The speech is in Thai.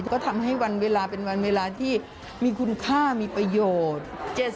ก็ทำให้วันเวลาเป็นวันเวลาที่มีคุณค่ามีประโยชน์